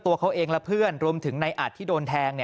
ตัวเขาเองและเพื่อนรวมถึงในอัดที่โดนแทง